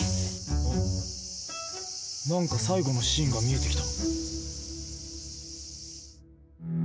あっ何か最後のシーンが見えてきた。